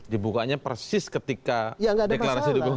dibukanya persis ketika deklarasi dibuka